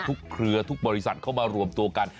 เครือทุกบริษัทเข้ามารวมตัวกัน